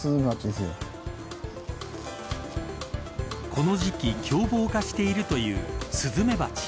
この時期、凶暴化しているというスズメバチ。